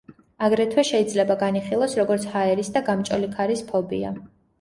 აგრეთვე, შეიძლება განიხილოს, როგორც ჰაერის და გამჭოლი ქარის ფობია.